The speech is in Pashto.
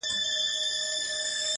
د زنده باد د مردباد په هديره كي پراته _